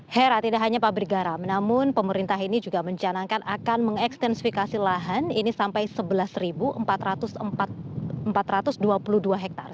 hera tidak hanya pabrik garam namun pemerintah ini juga mencanangkan akan mengekstensifikasi lahan ini sampai sebelas empat ratus dua puluh dua hektare